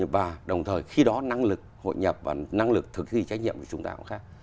và đồng thời khi đó năng lực hội nhập và năng lực thực thi trách nhiệm của chúng ta cũng khác